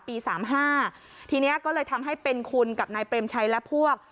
สามห้าทีนี้ก็เลยทำให้เป็นคุณกับนายเปรมชัยและพวก